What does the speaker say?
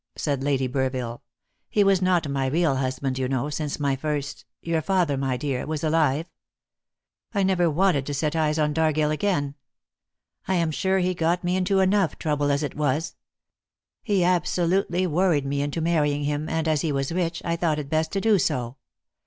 said Lady Burville. "He was not my real husband, you know, since my first your father, my dear was alive. I never wanted to set eyes on Dargill again. I am sure he got me into enough trouble as it was. He absolutely worried me into marrying him, and, as he was rich, I thought it best to do so.